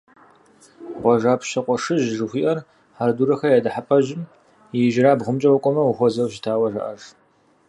«Къуажапщэ къуэшыхь» жыхуиӀэр «Хьэрэдурэхэ я дыхьэпӀэжьым» и ижьырабгъумкӀэ укӀуэмэ, ухуэзэу щытауэ жаӀэж.